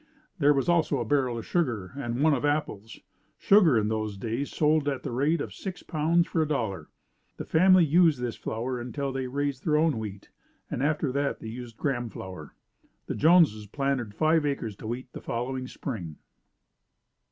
There was also a barrel of sugar and one of apples. Sugar in those days sold at the rate of six pounds for $1.00. The families used this flour until they raised their own wheat and after that they used graham flour. The Jones' planted five acres to wheat the following spring.